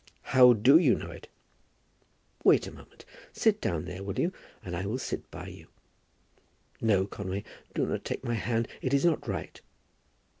"How do you know it?" "Wait a moment. Sit down there, will you? and I will sit by you. No, Conway; do not take my hand. It is not right.